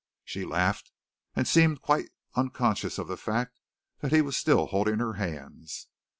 She laughed, and seemed quite unconscious of the fact that he was still holding her hands.